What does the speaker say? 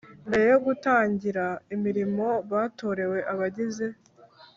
Mbere yo gutangira imirimo batorewe abagize